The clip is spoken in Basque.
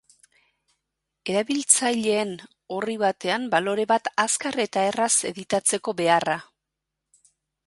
Erabiltzaileen, orri batean balore bat azkar eta erraz editatzeko beharra.